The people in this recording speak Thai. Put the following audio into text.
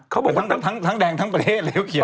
เขาบอกว่าทั้งแดงทั้งประเทศเลย